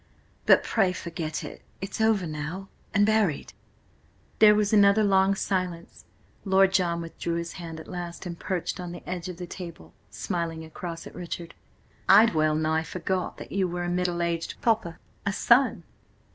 But pray forget it! It's over now, and buried." There was another long silence. Lord John withdrew his hand at last, and perched on the edge of the table, smiling across at Richard. "I'd well nigh forgot that you were a middle aged papa! A son?"